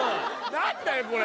何だよこれ！